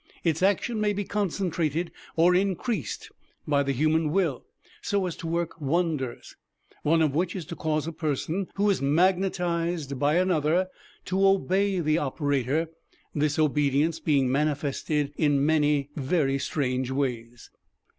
Its action may be concentrated or increased by the human will, so as to work wonders, one of which is to cause a person who is magnetized by another to obey the operator, this obedience being manifested in many very strange ways.